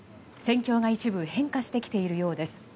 戦況が一部変化してきているようです。